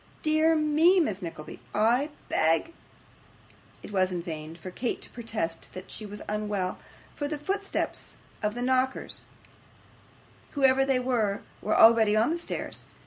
'Dear me, Miss Nickleby, I beg ' It was in vain for Kate to protest that she was unwell, for the footsteps of the knockers, whoever they were, were already on the stairs.